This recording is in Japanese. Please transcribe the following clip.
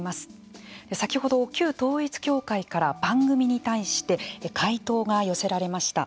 先ほど旧統一教会から番組に対して回答が寄せられました。